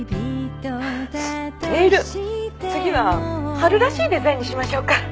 ネイル次は春らしいデザインにしましょうか。